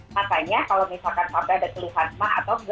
makanya kalau misalkan sampai ada keluhan emas atau gel